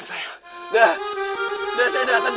saya akan biarkan kau mati